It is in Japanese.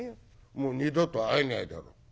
もう二度と会えないだろう。